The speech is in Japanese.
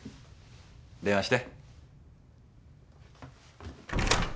電話して。